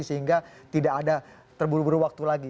sehingga tidak ada terburu buru waktu lagi